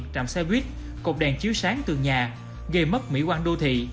trạm xe buýt cục đèn chiếu sáng từ nhà gây mất mỹ quan đô thị